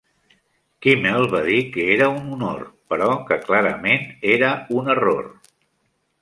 Kimmel va dir que era un honor, però que clarament era un error.